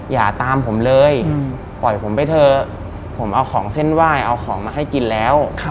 อย่าตามผมเลยปล่อยผมไปเถอะผมเอาของเส้นไหว้เอาของมาให้กินแล้ว